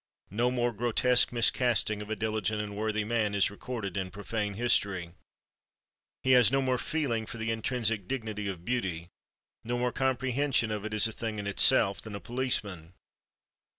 No more grotesque miscasting of a diligent and worthy man is recorded in profane history. He has no more feeling for the intrinsic dignity of beauty, no more comprehension of it as a thing in itself, than a policeman.